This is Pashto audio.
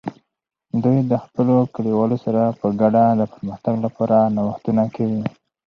دوی د خپلو کلیوالو سره په ګډه د پرمختګ لپاره نوښتونه کوي.